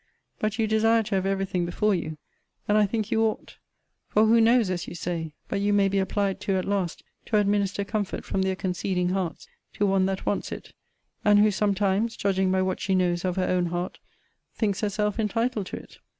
But you desire to have every thing before you: and I think you ought; for who knows, as you say, but you may be applied to at last to administer comfort from their conceding hearts, to one that wants it; and who sometimes, judging by what she knows of her own heart, thinks herself entitled to it?